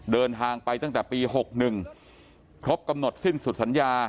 เดินทางไปตั้งแต่ปี๖๑ครบกำหนดสิ้นสุดสัญญา